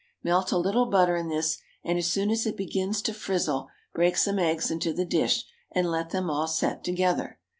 Melt a little butter in this, and as soon as it begins to frizzle break some eggs into the dish, and let them all set together.